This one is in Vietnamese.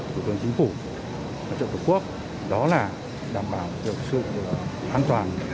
thủ tướng chính phủ và trợ tục quốc đó là đảm bảo sự an toàn